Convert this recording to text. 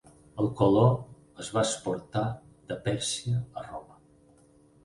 El color es va exportar de Pèrsia a Roma.